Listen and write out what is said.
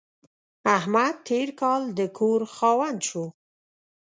احمد تېر کال د کور خاوند شو.